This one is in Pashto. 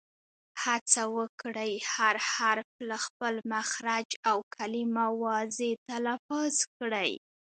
هڅه وکړئ، هر حرف له خپل مخرج او کلیمه واضیح تلفظ کړئ!